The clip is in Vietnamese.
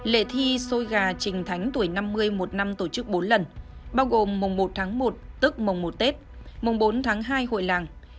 lễ thi sôi gà trình thánh tuổi năm mươi một năm tổ chức bốn lần bao gồm mùng một tháng một tức mùng một tết mùng bốn tháng hai hội làng